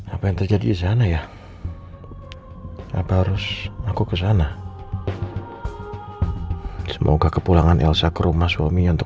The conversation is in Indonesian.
apa yang terjadi di sana ya apa harus aku kesana semoga kepulangan elsa ke rumah suami untuk